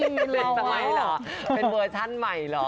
เล่นสมัยเหรอเป็นเวอร์ชั่นใหม่เหรอ